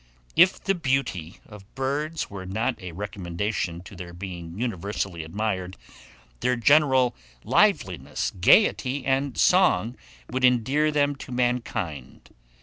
IF THE BEAUTY OF BIRDS were not a recommendation to their being universally admired, their general liveliness, gaiety, and song would endear them to mankind.